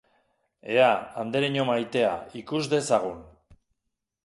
Ea, andereño maitea, ikus dezagun.